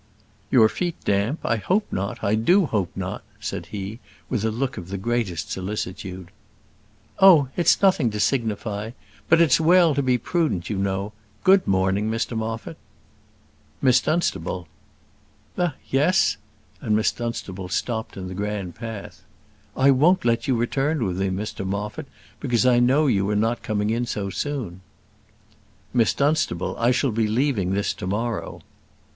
"Your feet damp? I hope not: I do hope not," said he, with a look of the greatest solicitude. "Oh! it's nothing to signify; but it's well to be prudent, you know. Good morning, Mr Moffat." "Miss Dunstable!" "Eh yes!" and Miss Dunstable stopped in the grand path. "I won't let you return with me, Mr Moffat, because I know you were not coming in so soon." "Miss Dunstable; I shall be leaving this to morrow."